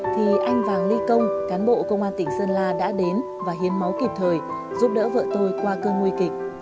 thì anh vàng ly công cán bộ công an tỉnh sơn la đã đến và hiến máu kịp thời giúp đỡ vợ tôi qua cơn nguy kịch